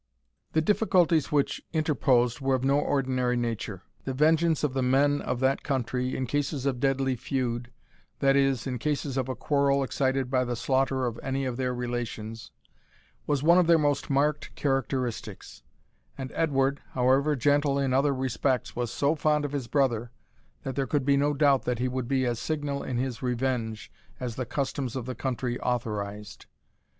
The difficulties which interposed were of no ordinary nature. The vengeance of the men of that country, in cases of deadly feud, that is, in cases of a quarrel excited by the slaughter of any of their relations, was one of their most marked characteristics; and Edward, however gentle in other respects, was so fond of his brother, that there could be no doubt that he would be as signal in his revenge as the customs of the country authorized.